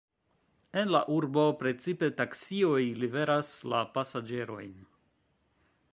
En la urbo precipe taksioj liveras la pasaĝerojn.